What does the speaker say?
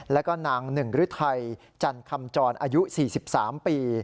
แล้วก็นางหนึ่งฤทัยจันคำจรอายุ๔๓ปี